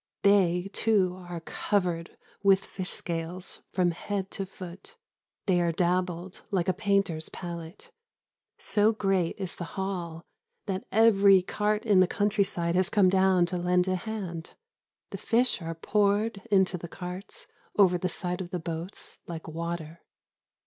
They, too, are covered with fish scales from head to foot. They are dabbled like a painter's palette. So great is the haul that every cart in the country side has come down to lend a hand. The fish are poured into the carts over the sides of the boats like water.